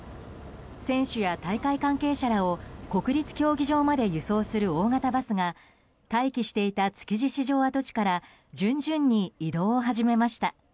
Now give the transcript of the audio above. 選手や大会関係者らを国立競技場まで輸送する大型バスが待機していた築地市場跡地から順々に移動を始めました。